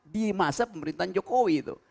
di masa pemerintahan jokowi itu